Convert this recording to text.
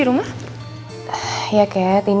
ada orang di depan